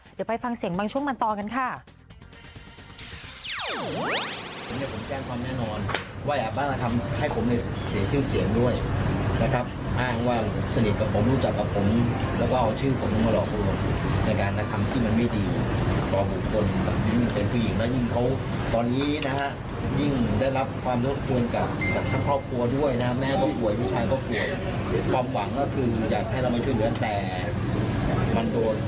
เดี๋ยวไปฟังเสียงบางช่วงมันตอนกันค่ะ